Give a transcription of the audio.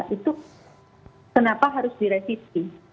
itu kenapa harus direvisi